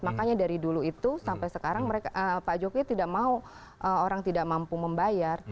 makanya dari dulu itu sampai sekarang pak jokowi tidak mau orang tidak mampu membayar